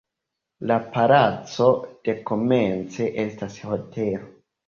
La palaco dekomence estas hotelo.